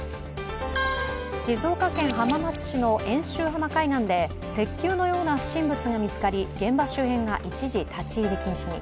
静岡県浜松市の遠州浜海岸で鉄球のような不審物が見つかり現場周辺が一時、立入禁止に。